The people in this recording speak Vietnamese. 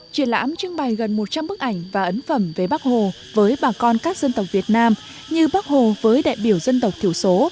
triển lãm trưng bày gần một trăm linh bức ảnh và ấn phẩm về bác hồ với bà con các dân tộc việt nam như bắc hồ với đại biểu dân tộc thiểu số